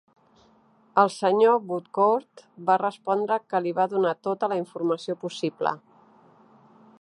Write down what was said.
El Sr. Woodcourt va respondre que li va donar tota la informació possible.